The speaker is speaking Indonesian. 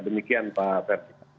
demikian pak ferdinand